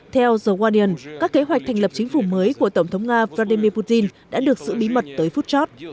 theo giờ wanian các kế hoạch thành lập chính phủ mới của tổng thống nga vladimir putin đã được giữ bí mật tới phút chót